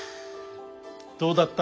どうだった？